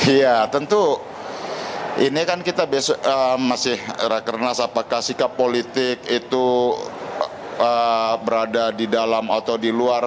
iya tentu ini kan kita besok masih rakernas apakah sikap politik itu berada di dalam atau di luar